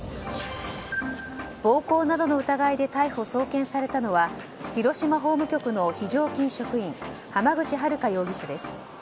暴行などの疑いで逮捕・送検されたのは広島法務局の非常勤職員浜口春香容疑者です。